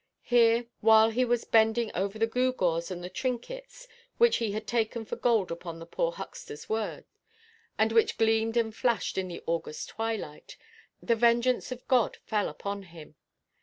Here, while he was bending over the gewgaws and the trinkets, which he had taken for gold upon the poor hucksterʼs word, and which gleamed and flashed in the August twilight, the vengeance of God fell upon him.